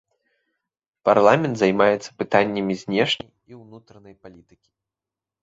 Парламент займаецца пытаннямі знешняй і ўнутранай палітыкі.